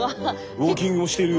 ウオーキングもしてる。